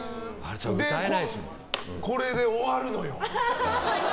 で、これで終わるのよ。